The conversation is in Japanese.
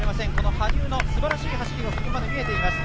羽生のすばらしい走りがここまで見えています。